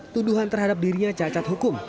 tuduhan terhadap dirinya cacat hukum